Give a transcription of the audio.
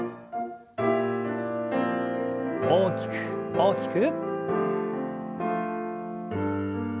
大きく大きく。